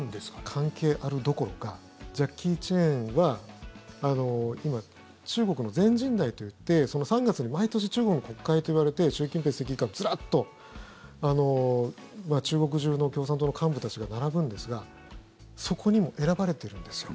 関係あるどころかジャッキー・チェンは今、中国の全人代といって３月に毎年中国の国会といわれて習近平主席以下ずらっと中国中の共産党の幹部たちが並ぶんですがそこにも選ばれてるんですよ。